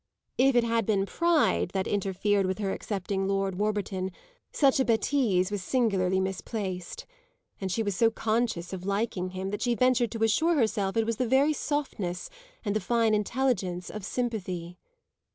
If it had been pride that interfered with her accepting Lord Warburton such a bêtise was singularly misplaced; and she was so conscious of liking him that she ventured to assure herself it was the very softness, and the fine intelligence, of sympathy.